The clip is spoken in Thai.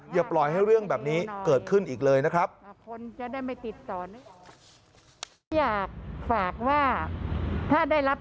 อย่าปล่อยให้เรื่องแบบนี้เกิดขึ้นอีกเลยนะครับ